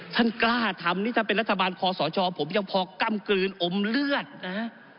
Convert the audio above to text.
ท่านกล้าทำนี่ถ้าเป็นรัฐบาลคอสชผมยังพอกล้ำกลืนอมเลือดนะฮะ